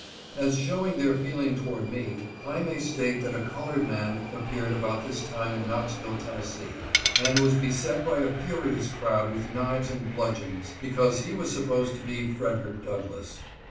As showing their feeling toward me, I may state that a col ored man appeared about this time in Knoxville, Tenn., and was beset by a furious crowd with knives and bludg eons because he was supposed to be Fred. Douglass.